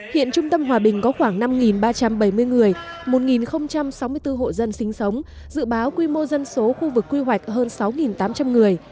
hiện trung tâm hòa bình có khoảng năm ba trăm bảy mươi người một sáu mươi bốn hộ dân sinh sống dự báo quy mô dân số khu vực quy hoạch hơn sáu tám trăm linh người